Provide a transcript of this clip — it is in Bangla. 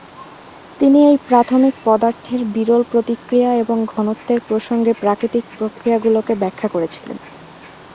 তিনি এই প্রাথমিক পদার্থের বিরল প্রতিক্রিয়া এবং ঘনত্বের প্রসঙ্গে প্রাকৃতিক প্রক্রিয়াগুলি ব্যাখ্যা করেছিলেন।